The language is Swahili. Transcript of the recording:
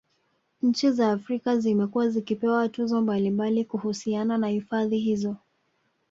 Nchi za Afrika Zimekuwa zikipewa tuzo mbalimbali kuhusiana na hifadhi hizo